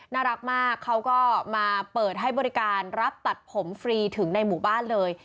น่ารักมากเขาก็มาเปิดให้บริการรับตัดผมฟรีถึงในหมู่บ้านเลย